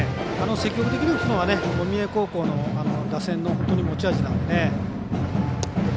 積極的に打つのは三重高校の打線の持ち味なんでね。